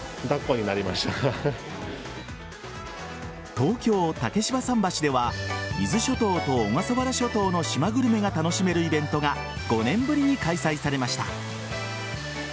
東京・竹芝桟橋では伊豆諸島と小笠原諸島の島グルメが楽しめるイベントが５年ぶりに開催されました。